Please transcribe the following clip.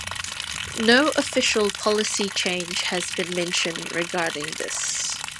No official policy change has been mentioned regarding this.